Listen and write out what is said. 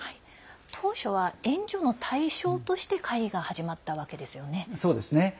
当初は、援助の対象として会議が始まったわけですよね。